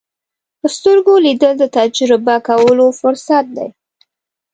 په سترګو لیدل د تجربه کولو فرصت دی